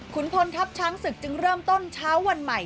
คุณพลทัพช้างศึกจึงเริ่มต้นเช้าวันใหม่